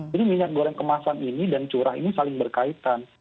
jadi minyak goreng kemasan ini dan curah ini saling berkaitan